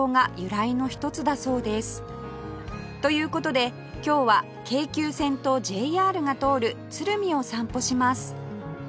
という事で今日は京急線と ＪＲ が通る鶴見を散歩します